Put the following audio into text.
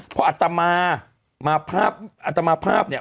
เพราะอัตมามาภาพอัตมาภาพเนี่ย